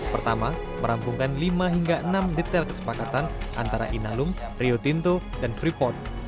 pertama merampungkan lima hingga enam detail kesepakatan antara inalum rio tinto dan freeport